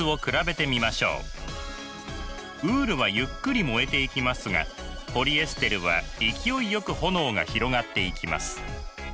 ウールはゆっくり燃えていきますがポリエステルは勢いよく炎が広がっていきます。